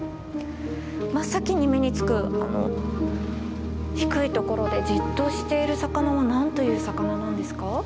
真っ先に目につく低い所でじっとしている魚は何という魚なんですか？